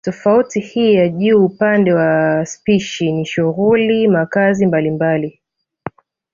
Tofauti hii ya juu upande wa spishi ni shughuli makazi mbalimbali